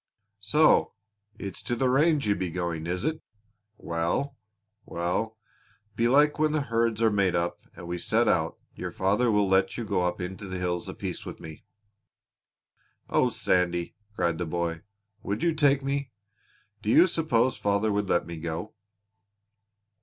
"So it's to the range you'd be going, is it? Well, well belike when the herds are made up and we set out your father will let you go up into the hills a piece with me." "Oh, Sandy," cried the boy, "would you take me? Do you suppose father would let me go?"